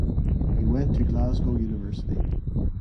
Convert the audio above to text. He went to Glasgow University.